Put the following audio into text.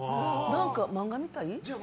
何か漫画みたい？